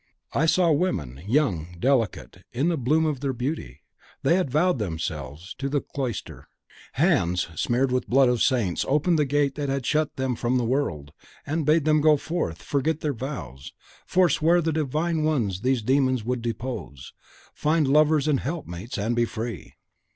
I saw women, young, delicate, in the bloom of their beauty; they had vowed themselves to the cloister. Hands smeared with the blood of saints opened the gate that had shut them from the world, and bade them go forth, forget their vows, forswear the Divine one these demons would depose, find lovers and helpmates, and be free.